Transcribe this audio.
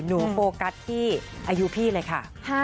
โฟกัสที่อายุพี่เลยค่ะ